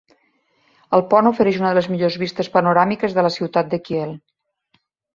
EL pont ofereix una de les millors vistes panoràmiques de la ciutat de Kiel.